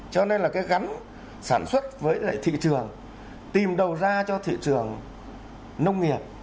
cho nên là cái gắn sản xuất với lại thị trường tìm đầu ra cho thị trường nông nghiệp